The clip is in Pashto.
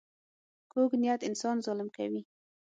کوږ نیت انسان ظالم کوي